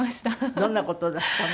どんな事だったの？